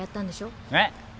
えっ！？